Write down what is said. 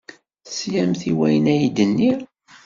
Teslamt i wayen ay d-nniɣ?